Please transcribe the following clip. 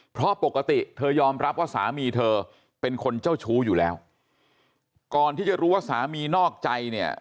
เพราะปกติเธอยอมรับว่าสามีเธอเป็นคนเจ้าชู้อยู่แล้วก่อนที่จะรู้ว่าสามีนอกใจเนี่ย